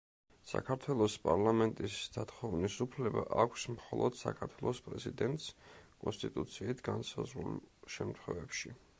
საქართველოს პარლამენტის დათხოვნის უფლება აქვს მხოლოდ საქართველოს პრეზიდენტს, კონსტიტუციით განსაზღვრულ შემთხვევებში.